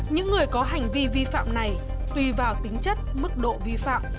những người có hành vi vi phạm này tùy vào tính chất mức độ vi phạm